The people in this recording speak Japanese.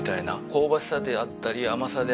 香ばしさであったり甘さであったり